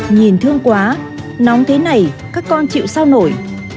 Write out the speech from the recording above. nhìn thương quá nóng thế này các con chịu sao nổi